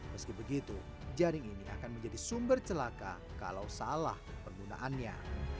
meski begitu jaring ini akan menjadi sumber celaka kalau salah penggunaannya